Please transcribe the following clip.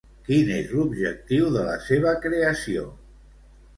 Quin és l'objectiu de la seva creació?